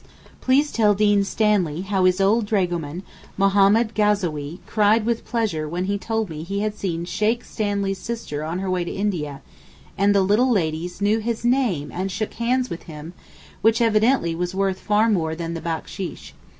Please tell Dean Stanley how his old dragoman Mahommed Gazawee cried with pleasure when he told me he had seen Sheykh Stanley's sister on her way to India, and the 'little ladies' knew his name and shook hands with him, which evidently was worth far more than the backsheesh.